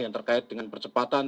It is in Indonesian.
yang terkait dengan percepatan